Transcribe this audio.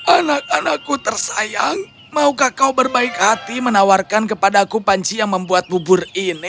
anak anakku tersayang maukah kau berbaik hati menawarkan kepadaku panci yang membutuhkan bubur